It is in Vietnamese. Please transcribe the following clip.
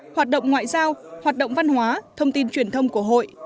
hoạt động ngoại giao hoạt động văn hóa thông tin truyền thông của hội